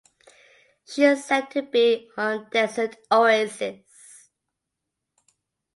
She is set to be on desert oasis.